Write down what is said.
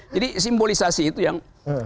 jadi simbolisasi itu yang